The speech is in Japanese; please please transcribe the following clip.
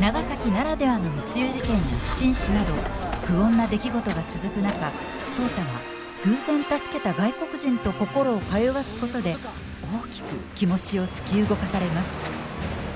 長崎ならではの密輸事件や不審死など不穏な出来事が続く中壮多は偶然助けた外国人と心を通わすことで大きく気持ちを突き動かされます。